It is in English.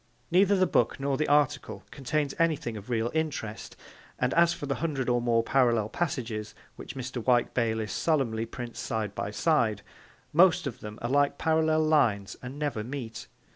Neither the book nor the article contains anything of real interest, and as for the hundred or more parallel passages which Mr. Wyke Bayliss solemnly prints side by side, most of them are like parallel lines and never meet.